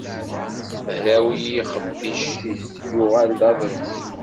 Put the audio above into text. Hraw yixebbic-is yuɣal d aḍṛef.